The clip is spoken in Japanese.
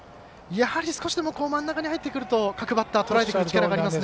やはり少しでも真ん中に入ってくると各バッターとらえてくる力がありますね。